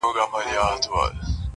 چا منلی چا له یاده دی ایستلی،